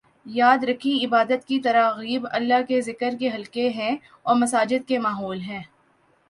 یاد رکھیں عبادت کی تراغیب اللہ کے ذکر کے حلقے ہیں اور مساجد کے ماحول ہیں